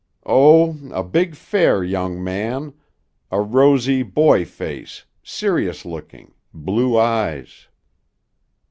"Oh, a big, fair young man a rosy boy face, serious looking, blue eyes."